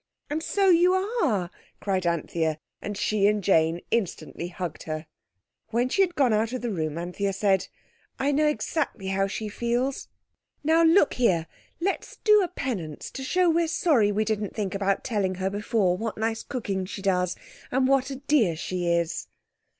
"And so you are," cried Anthea, and she and Jane instantly hugged her. When she had gone out of the room Anthea said— "I know exactly how she feels. Now, look here! Let's do a penance to show we're sorry we didn't think about telling her before what nice cooking she does, and what a dear she is."